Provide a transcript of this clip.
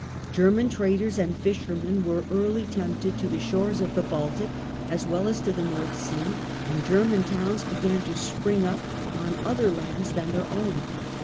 German traders and fishermen were early tempted to the shores of the Baltic as well as to the North Sea, and growth of German German towns began to spring up on other lands than towns and their own.